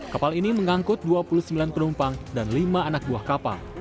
kapal ini mengangkut dua puluh sembilan penumpang dan lima anak buah kapal